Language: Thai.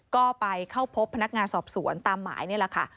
ก็ไปเข้าพบพนักงานสอบสวนตามหมายนี่แหละค่ะ